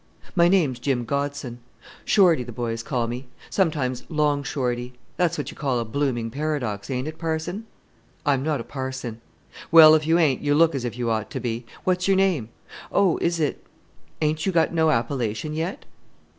"My name's Jim Godson. 'Shorty' the boys call me; sometimes 'Long Shorty.' That's what you call a blooming paradox, ain't it, Parson?" "I'm not a parson." "Well, if you ain't, you look as if you ought to be. What's your name?... Oh, is it?... Ain't you got no appellation yet?"